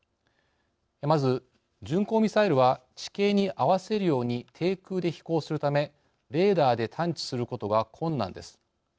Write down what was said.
まず巡航ミサイルは地形に合わせるように低空で飛行するためレーダーで探知することが困難です。